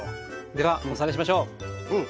ではおさらいしましょう。